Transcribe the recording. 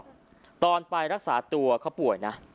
ตอนไปรักษาตัวเขาป่วยนะ